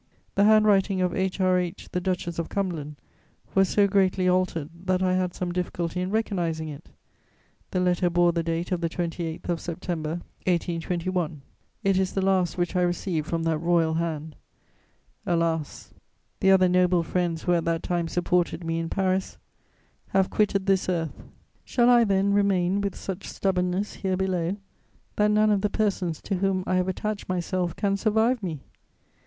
The handwriting of H.R.H. the Duchess of Cumberland was so greatly altered that I had some difficulty in recognising it. The letter bore the date of the 28th of September 1821: it is the last which I received from that royal hand. Alas, the other noble friends who at that time supported me in Paris have quitted this earth! Shall I, then, remain with such stubbornness here below that none of the persons to whom I have attached myself can survive me?